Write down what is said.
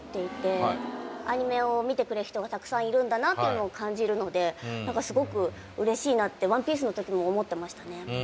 アニメを見てくれる人がたくさんいるんだなっていうのを感じるので、なんかすごくうれしいなって『ワンピース』の時も思ってましたね。